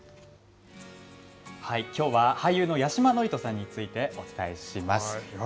きょうは俳優の八嶋智人さんについてお伝えします。